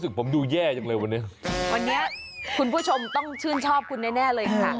คุณผู้ชมต้องชื่นชอบคุณแน่เลย